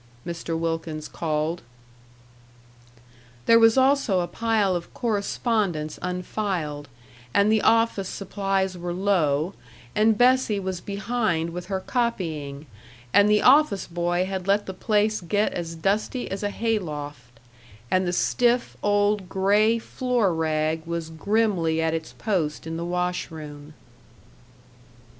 Mr. Wilkins called. There was also a pile of correspondence unfiled, and the office supplies were low, and Bessie was behind with her copying, and the office boy had let the place get as dusty as a hay loft and the stiff, old, gray floor rag was grimly at its post in the wash room.